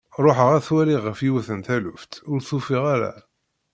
Ruḥeɣ ad t-waliɣ ɣef yiwet n taluft, ur t-ufiɣ ara.